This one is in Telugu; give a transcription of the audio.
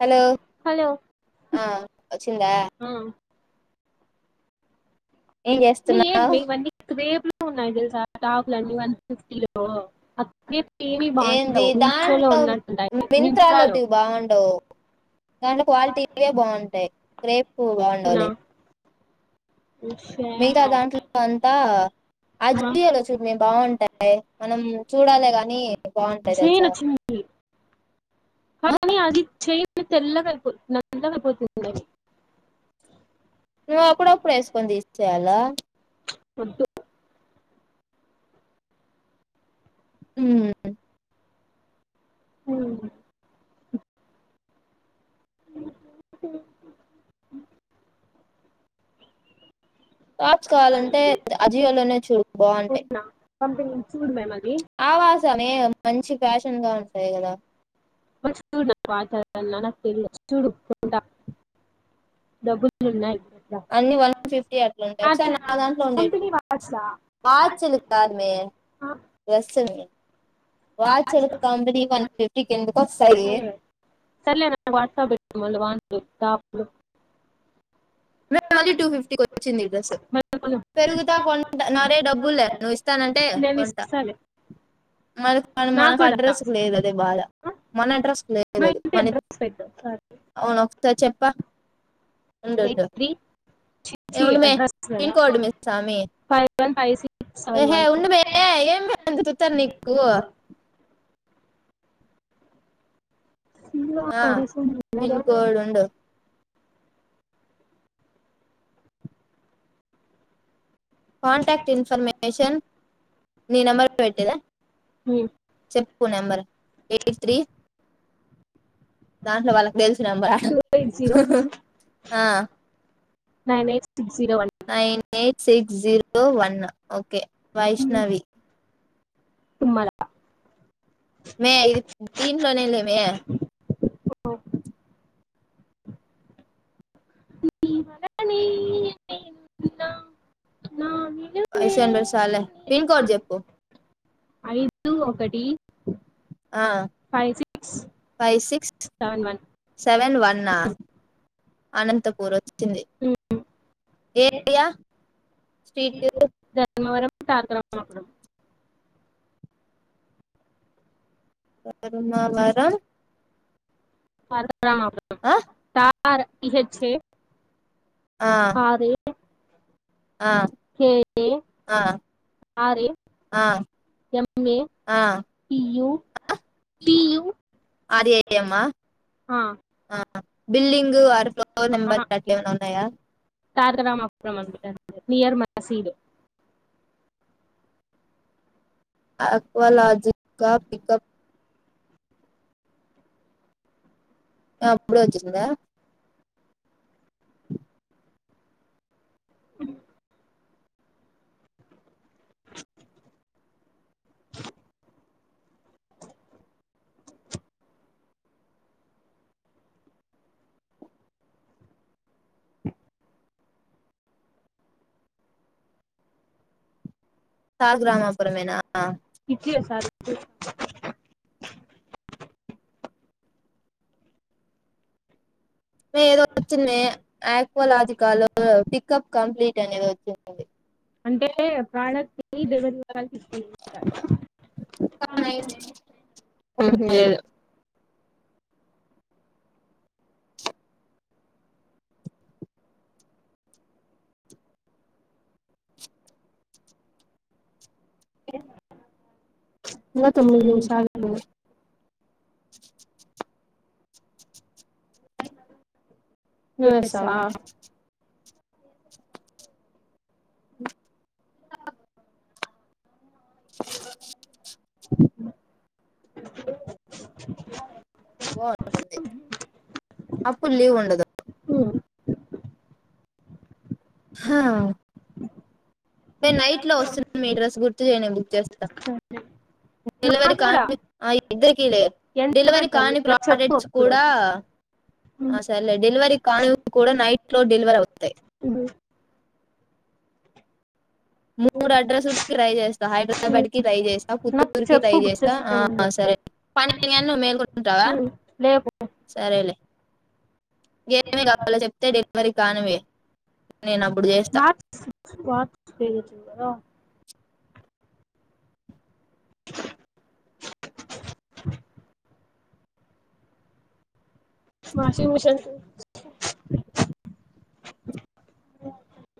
హలో హలో ఆ వచ్చిందా ఆ ఏం మీ చేస్తున్నా ఏంది మీవన్నీ క్రేప్ ఉన్నాయి తెలుసా టాకుల వన్ ఫిఫ్టీలో అే ఏంది దాంట్లో మింత్రాలో మింతాలుటివి బాగుండవు కనీ క్వాలిటీవే బాగుంటయి రేప్ పో అవునా బాగుండాలె మితా దాంట్లో అంతా అజ్కీలో చూడ్మీ బాగుంట ఎ మనం చూడాలే గానీ బాగుంటాయి చైన్ తెలుసా వచ్చింది తెల్లగైపొద్ది అందుకే నకొదు కూడా నువ్వు అప్పుడప్పుడు వేసుకొని తీసేయాలా ఒద్దు హుమ్ ఉమ్ టార్చ్ కావాలంటే అజియోలోనే బాగుంటై అవునా పంపిణీ చూడు మేము అది ఆవాసమే మంచి ఫ్యాషన్ గా ఉంటాయ్ గదా [inaudible] చూడు కుంట డబులున్నాయ్ అన్నీ వన్ ఫిఫ్టీ అట్లుంటాయి ఒకసారి నా దాంట్లో ఉండే కంపెనీ వాట్సా వాచ్చులు కాదు మే ఆ, డ్రెస్ మే వాచ్లు కంపెనీ వన్ ఫిఫ్టీ కెందుకొస్తాయి అదే. తాప్పుడు మే మళ్ళీ టూ ఫిఫ్టీకొచ్చింది ఈ డ్రస్, మళ్ళీ కొను. పెరుగుతా కొంట నారే డబ్బులు లే నువ్విస్తానంటే నేను కొంట ఇస్తాలే మన నాకు మనకు కూడా అడ్రస్ లేదు అదే బాధ, మన అడ్రస్ మా లేదు ఇంటి మన అడ్రస్ పెట్టు సారీ అవును చెప్ప ఎయిట్ ఉండుండు త్రీ ఏ చి ఉండుమే అడ్రస్ కదా పిన్కోడ్ మేసామి five one five six seven ఎహే వన్ ఉండుమే ఏమి అంత తుత్తరు నీకు ఆ రీసెంట్ పిన్ గా కోడ్ ఉండు కాంటాక్ట్ ఇన్ఫర్మేషన్ నీ నెంబర్ పెట్టేద చెప్ ఫోన్ నంబర్ ఎయిట్ త్రీ దాంట్ల వాళ్ళక్ తెలిసినంబర టూ ఎయిట్ జీరో ఆ manage nine six zero one okay one Vaishnavi Tummala మే ఇది దీంన్లోనే లేమే హనీ వైసండసాలే పిన్ కోడ్ జెప్పు ఏదో ఒకటి ఆ five six five six seven seven వన్నా వన్ అనంతపురొ ఏరియా స్ట్రీట్ ధర్మవరం టారమాపడం బాగున్నావారా [unintelligible] తార్ పీ హెచ్ ఎ ఆ ఆదే ఆ కేే ఎ ఆ ఆర్ ఎ ఆ M A P U R A ఎమ్మ ఆ బిల్డింగ్ ఆరు ఫ్లోర్ నెంబర్ అట్లేమనా ఉన్నాయా తారకరామపురం అండి [unintelligible] నియర్ మసీదు. అక్వలాజికా పికప్ య అప్పుడె వచ్చేసిందా. పీలు తారకరామాపురమేనా. ఇచ్చేసారు ఏదో వచ్చేందే యాక్వలాజికాలు. [unintelligible] కప్ కంప్లీట్ అనేదొచ్చింటది అంటే ప్రోడక్ట్ ని డెలివరీ వాళ్ళకి ఇస్తుంది [unintelligible] ఉమ్ లేదు. ఇంకా ఇంగా తొమ్మిద్ తొమ్మిది నిమిషాలు నిమిషాలుంది. నువ్వొస్సావ. చేస్తావా అమ్మ. [unintelligible] దో ఒకటుంది అప్పుడ్ లీవుండదు. హ. మె నైట్లొ వస్తుంది మె డ్రస్సు గుర్తుజెయ్ నాక్ బుక్ చేస్త సరే. డెలివరీ నాకు కూడా కానీ అ ఇద్దరికి గద ఎంత డెలివరి పెట్టాలి కాని నాకు చెప్పు ప్రాడక్ట్స్ అప్పుడు కూడా అ సర్లె డెలివరి కానివ్ కూడ నైట్లొ డెలివరౌతాయ్. మూడడ్రస్లకి ట్రై జేస్త హైడ్రాబాడ్ కి ట్రై జేస్తా నాకు పుత్తూర్కి చెప్పు ట్రై బుక్ జేస్తా చేసే ముందు ఆ సరే పని [unintelligible] టావ లేవు సరేలె. ఏమేమ్ కావాలో చెప్తే డె మరి కానివ్వె. [unintelligible] Washing machine. [unintelligible]